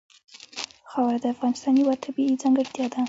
خاوره د افغانستان یوه طبیعي ځانګړتیا ده.